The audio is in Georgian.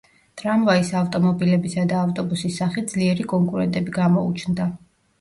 ტრამვაის ავტომობილებისა და ავტობუსის სახით ძლიერი კონკურენტები გამოუჩნდა.